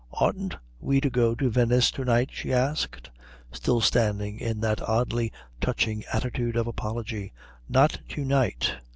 "Oughtn't we to go to Venice to night?" she asked, still standing in that oddly touching attitude of apology. "Not to night."